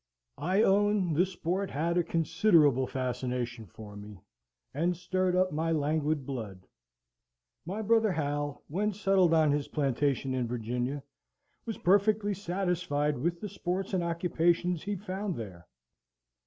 I own the sport had a considerable fascination for me, and stirred up my languid blood. My brother Hal, when settled on his plantation in Virginia, was perfectly satisfied with the sports and occupations he found there.